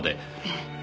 ええ。